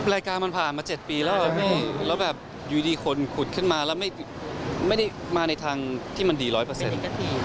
รายการมันผ่านมา๗ปีแล้วแล้วแบบอยู่ดีคนขุดขึ้นมาแล้วไม่ได้มาในทางที่มันดีร้อยเปอร์เซ็นต์